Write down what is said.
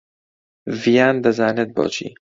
ڤیان دەزانێت بۆچی.